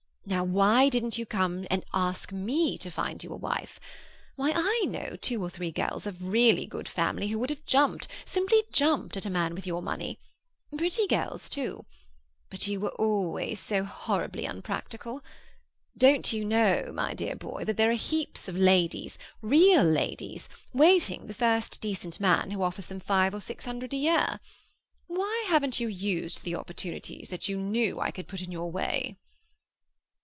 Now, why didn't you come and ask me to find you a wife? Why, I know two or three girls of really good family who would have jumped, simply jumped, at a man with your money. Pretty girls too. But you always were so horribly unpractical. Don't you know, my dear boy, that there are heaps of ladies, real ladies, waiting the first decent man who offers them five or six hundred a year? Why haven't you used the opportunities that you knew I could put in your way?"